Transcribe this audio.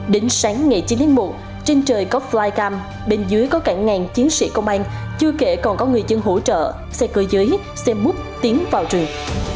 đến sáng ngày chín tháng một trên trời có flycam bên dưới có cả ngàn chiến sĩ công an chưa kể còn có người dân hỗ trợ xe cơ giới xe bút tiến vào rừng